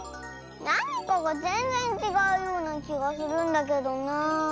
なにかがぜんぜんちがうようなきがするんだけどなあ。